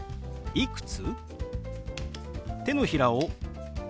「いくつ？」。